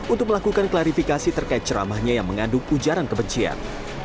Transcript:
untuk melakukan klarifikasi terkait ceramahnya yang mengandung ujaran kebencian